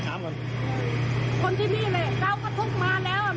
คนที่นี่แหละเราก็ทุกข์มาแล้ว